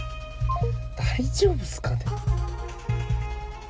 大丈夫っすかね。